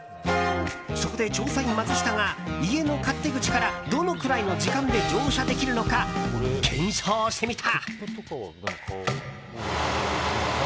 そこで、調査員マツシタが家の勝手口からどのくらいの時間で乗車できるのか検証してみた。